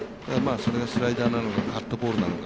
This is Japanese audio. それがスライダーなのかカットボールなのか。